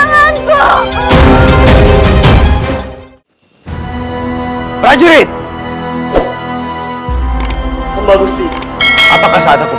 nimas rahasantang lagi aku hanya memakinya di dalam hatiku saja kenapa sakit ini muncul lagi